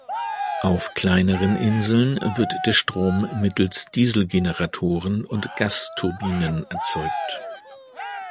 Auf kleineren Inseln wird der Strom mittels Dieselgeneratoren und Gasturbinen erzeugt.